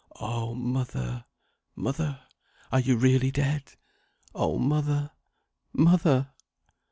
"Oh, mother! mother, are you really dead! Oh, mother, mother!"